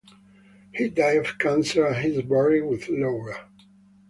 He died of cancer and is buried with Laura.